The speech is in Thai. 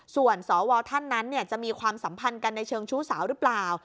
ส่วนสวท่านนั้นจะมีความสัมพันธ์กันในเชิงชู้สาวหรือเปล่า